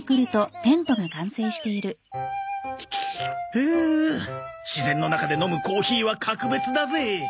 ふう自然の中で飲むコーヒーは格別だぜ！